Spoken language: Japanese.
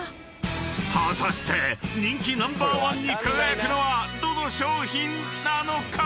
［果たして人気ナンバーワンに輝くのはどの商品なのか⁉］